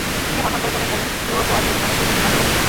তিনি হনহন করে চলে গেলেন লো কোয়াজেত মানে সৈকতের পাশের রাস্তা বেয়ে।